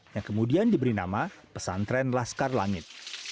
yang kemudian diberi nama pesantren laskar langit